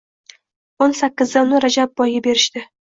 Oʼn sakkizida uni Rajabboyga berishdi.